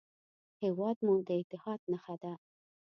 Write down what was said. هېواد مو د اتحاد نښه ده